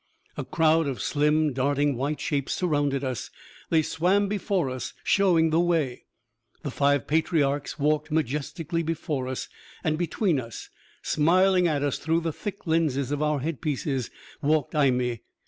A crowd of slim, darting white shapes surrounded us. They swam before us, showing the way. The five patriarchs walked majestically before us; and between us, smiling at us through the thick lenses of our headpieces, walked Imee.